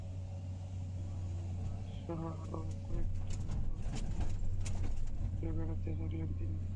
মামিং বার্ডসসহ আরও কয়েকটি নাটক নিয়ে নানান জায়গায় ঘুরে বেড়াতে লাগলেন তিনি।